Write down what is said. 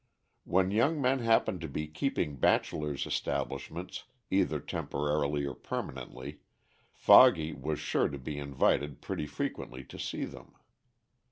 When young men happened to be keeping bachelors' establishments, either temporarily or permanently, "Foggy" was sure to be invited pretty frequently to see them.